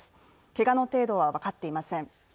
けがの程度は分かっていません。